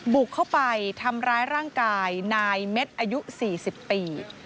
บุกเข้าไปทำร้ายร่างกายนายเม็ดอายุ๔๐ปี